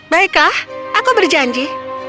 baiklah aku berjanji